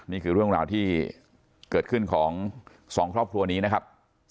นี่คือเรื่องราวที่เกิดขึ้นของสองครอบครัวนี้นะครับ